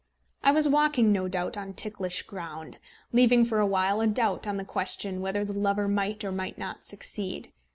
I was walking no doubt on ticklish ground, leaving for a while a doubt on the question whether the lover might or might not succeed.